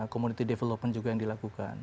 community development juga yang dilakukan